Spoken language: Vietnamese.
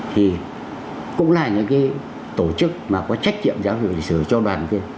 thì cũng là những cái tổ chức mà có trách nhiệm giáo dục lịch sử cho đoàn viên